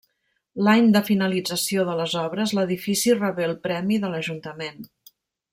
L'any de finalització de les obres l'edifici rebé el premi de l'Ajuntament.